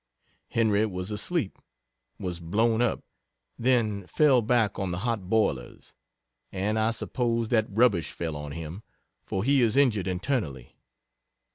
Henry was asleep was blown up then fell back on the hot boilers, and I suppose that rubbish fell on him, for he is injured internally.